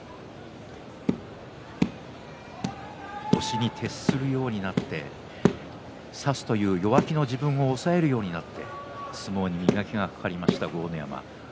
押しに徹するようになって差すという弱気な自分を抑えるようになって相撲に磨きがかかりました豪ノ山です。